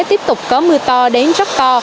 tiếp tục có mưa to đến rất to